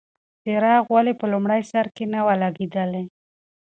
څراغ ولې په لومړي سر کې نه و لګېدلی؟